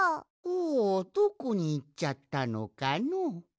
おどこにいっちゃったのかのう。